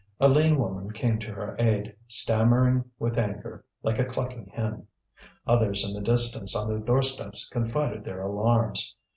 A lean woman came to her aid, stammering with anger like a clucking hen. Others in the distance on their doorsteps confided their alarms.